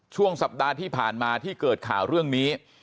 ช่วงสัปดาห์ที่ผ่านมาที่เกิดข่าวเรื่องนี้